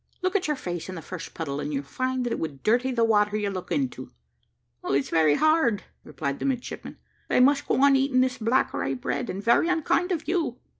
Look at your face in the first puddle, and you'll find that it would dirty the water you look into." "Well, it's very hard," replied the midshipman, "that I must go on eating this black rye bread; and very unkind of you."